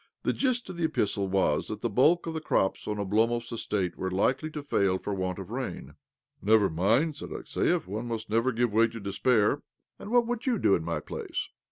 The gist ^f the epistle was that the bulk of the crops on Oblomov's estate were likely to fail for want of rain. " Never mind," said Alexiev. " One must never give way to despair." " And what would you do in my place?